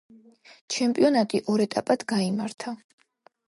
ჩემპიონატი ორ ეტაპად გაიმართა.